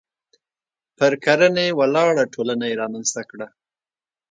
پر کرنې ولاړه ټولنه یې رامنځته کړه.